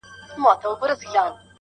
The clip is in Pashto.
او کله چې خیال ته مناسب الفاظ نه دي